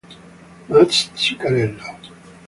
Mats Zuccarello